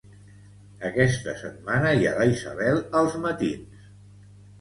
Aquesta setmana hi ha la Isabel als matins